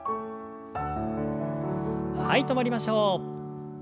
はい止まりましょう。